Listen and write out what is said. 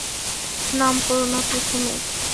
নাম পড় না প্রথমে।